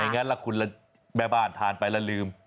ไม่งั้นคุณแม่บ้านทานไปแล้วลืม